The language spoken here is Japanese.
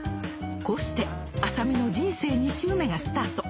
こうして麻美の人生２周目がスタート